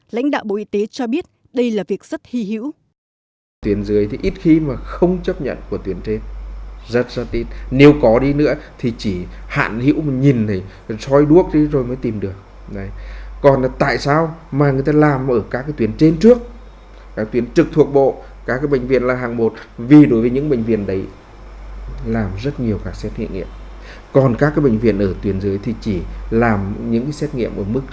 lãnh đạo bộ y tế cho biết đây là việc rất hy hữu